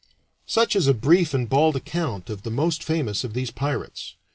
Such is a brief and bald account of the most famous of these pirates.